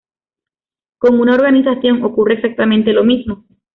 Con una organización ocurre exactamente lo mismo.